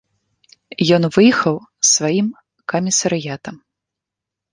Ён выехаў з сваім камісарыятам.